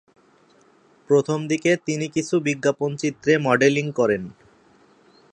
প্রথমদিকে তিনি কিছু বিজ্ঞাপনচিত্রে মডেলিং করেন।